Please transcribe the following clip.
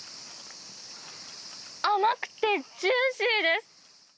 甘くてジューシーです。